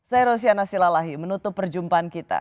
saya rosyana silalahi menutup perjumpaan kita